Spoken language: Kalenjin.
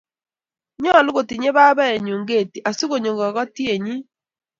nyolu kotinyei babaenyu keti asikonyoo kakotonienyin.